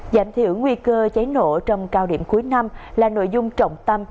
giảm thiểu nguy cơ cháy nổ trong cao điểm cuối năm là nội dung trọng tâm